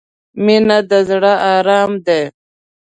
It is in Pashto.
• مینه د زړۀ ارام دی.